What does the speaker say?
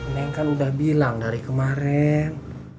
neng kan udah bilang dari kemarin